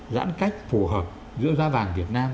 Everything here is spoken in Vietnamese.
giãn cách phù hợp giữa giá vàng việt nam